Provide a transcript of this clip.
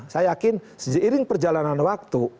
saya yakin seiring perjalanan waktu